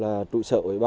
là trụ sở ủy ban